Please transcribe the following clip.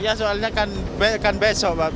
ya soalnya kan besok